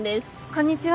こんにちは。